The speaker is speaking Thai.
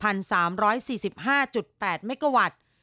อันการ๓๔๕๘เมกะวัตต์